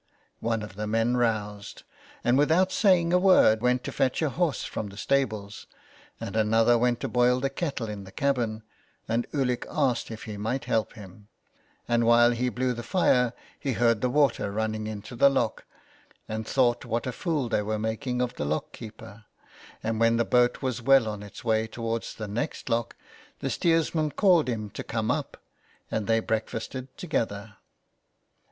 One of the men roused, and, without saying a word, went to fetch a horse from the stables, and another went to boil the kettle in the cabin, and Ulick asked if he might help him ; and while he blew the fire he heard the water running into the lock, and thought what a fool they were making of the lock keeper, and when the boat was well on its way towards the next lock the steersman called him 290 so ON HE FARES. to come up, and they breakfasted together.